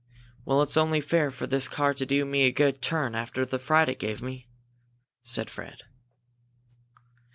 "Well, it's only fair for this car to do me a good turn after the fright it gave me," said Fred.